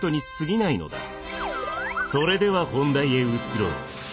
それでは本題へ移ろう。